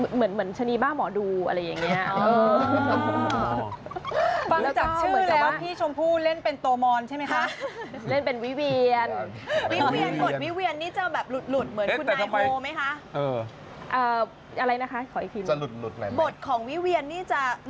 เหมือนชะนีบ้าหมอดูอะไรอย่างนี้